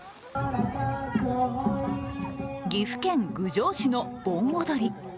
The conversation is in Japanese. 岐阜県郡上市の盆踊り。